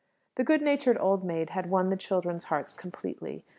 The good natured old maid had won the children's hearts completely.